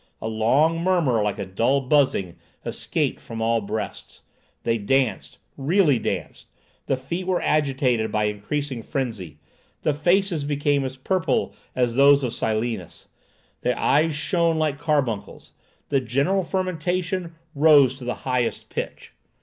A long murmur, like a dull buzzing, escaped from all breasts. They danced—really danced. The feet were agitated by increasing frenzy. The faces became as purple as those of Silenus. The eyes shone like carbuncles. The general fermentation rose to the highest pitch.